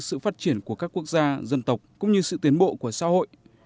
sự phát triển của các quốc gia dân tộc cũng như sự tiến bộ của xã hội